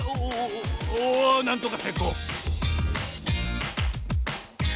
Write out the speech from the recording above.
おおなんとかせいこう！